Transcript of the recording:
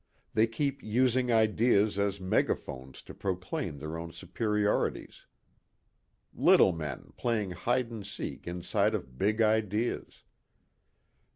They keep using ideas as megaphones to proclaim their own superiorities. Little men playing hide and seek inside of big ideas.